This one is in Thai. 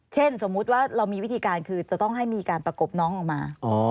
สมมุติว่าเรามีวิธีการคือจะต้องให้มีการประกบน้องออกมา